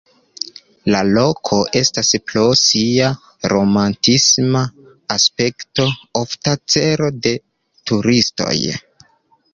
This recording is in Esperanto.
La loko estas pro sia romantisma aspekto ofta celo de turistoj.